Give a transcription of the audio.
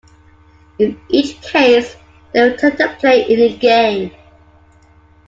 In each case they returned to play in the game.